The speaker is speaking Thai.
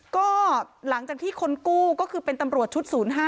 ก็หลังจากที่คนกู้ก็คือเป็นตำรวจชุด๐๕